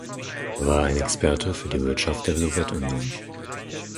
Er war ein Experte für die Wirtschaft der Sowjetunion.